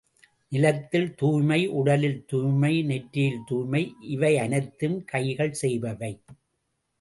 நிலத்தில் துய்மை, உடலில் துய்மை, நெற்றியில் தூய்மை இவையனைத்தும் கைகள் செய்பவை.